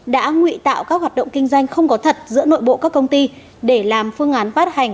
đã nguy tạo các hoạt động kinh doanh không có thật giữa nội bộ các công ty để làm phương án phát hành